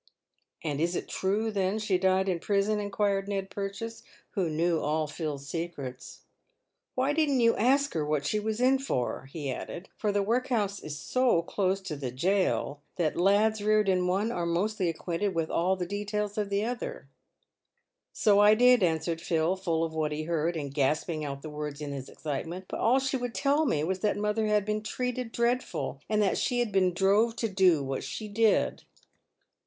" And is it true, then, she died in prison ?" inquired Ned Purchase, who knew all Phil's secrets. "Why didn't you ask her what she was in for?" he added; for the workhouse is so close to the gaol, that lads reared in the one are mostly acquainted with all the de tails of the other. " So I did," answered Phil, full of what he heard, and gasping out the words in his excitement ;" but all she would tell me was that mother had been treated dreadful, and that she had been drove to do what she did."